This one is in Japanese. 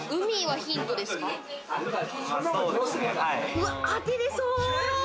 うわ、当てれそう。